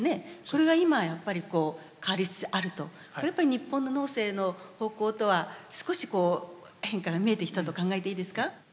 これが今やっぱりこう変わりつつあるとこれはやっぱり日本の農政の方向とは少しこう変化が見えてきたと考えていいですか？